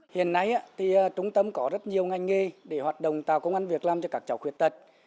hiện nay trung tâm có rất nhiều ngành nghề để hoạt động tạo công an việc làm cho các cháu khuyết tật